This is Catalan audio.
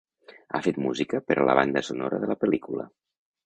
Ha fet música per a la banda sonora de la pel·lícula.